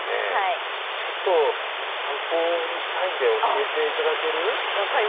ちょっと参考にしたいんで、教えていただける？